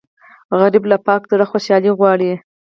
غریب له پاک زړه خوشالي غواړي